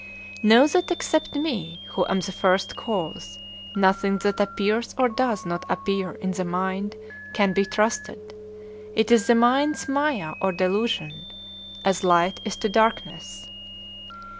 "Know that except Me, who am the First Cause, nothing that appears or does not appear in the mind can be trusted; it is the mind's Maya or delusion, as Light is to Darkness."